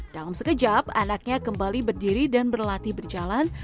dalam sekejap anaknya kembali berdiri dan berlatih berjalan